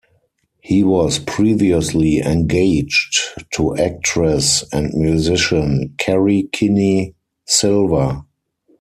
He was previously engaged to actress and musician Kerri Kenney-Silver.